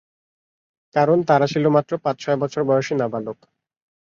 কারণ, তারা ছিল মাত্র পাঁচ-ছয় বছর বয়সী নাবালক।